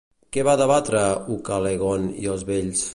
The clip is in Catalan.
Què van debatre Ucalegont i els vells?